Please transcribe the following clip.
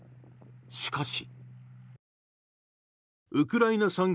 しかし。